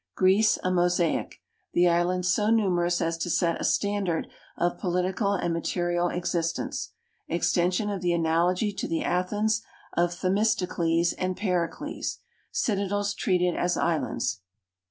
Greece a mosaic. The islands so numerous as to set a standard of political and material existence. Extension of the analogy to the Athens of Themistocles and Pericles. Citadels treated as islands.